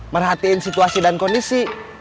merhatiin situasi dan kondisi